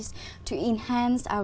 bảo vệ những năng lực